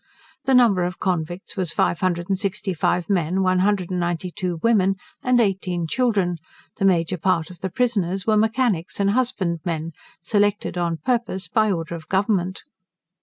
The number of convicts was five hundred and sixty five men, one hundred and ninety two women, and eighteen children; the major part of the prisoners were mechanics and husbandmen, selected on purpose by order of Government.